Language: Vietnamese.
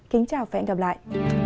kính chào và hẹn gặp lại